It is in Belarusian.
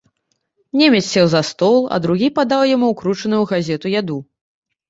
Немец сеў за стол, а другі падаў яму ўкручаную ў газету яду.